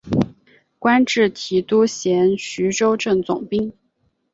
官至提督衔徐州镇总兵。